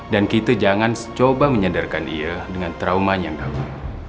dan kita jangan coba menyadarkan ia dengan trauma yang dahulu